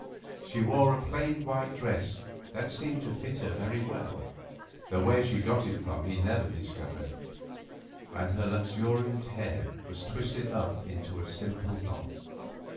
She wore a plain white dress that seemed to fit her very well, though where she got it from he never discovered, and her luxuriant hair was twisted up into a simple knot.